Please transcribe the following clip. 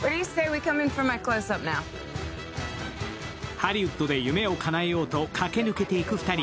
ハリウッドで夢をかなえようと駆け抜けていく２人。